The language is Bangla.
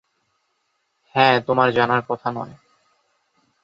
হ্যাঁ তোমার জানার কথা নয়।